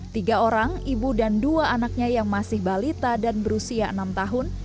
tiga orang ibu dan dua anaknya yang masih balita dan berusia enam tahun